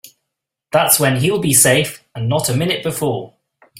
That's when he'll be safe and not a minute before.